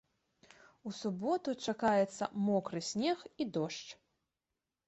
У суботу чакаецца мокры снег і дождж.